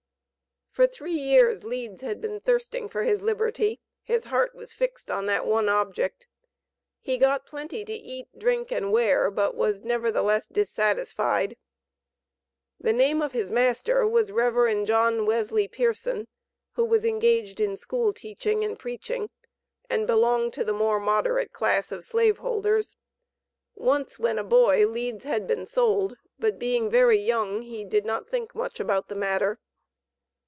For three years Leeds had been thirsting for his liberty; his heart was fixed on that one object. He got plenty to eat, drink, and wear, but was nevertheless dissatisfied. The name of his master was Rev. John Wesley Pearson, who was engaged in school teaching and preaching, and belonged to the more moderate class of slave holders. Once when a boy Leeds had been sold, but being very young, he did not think much about the matter.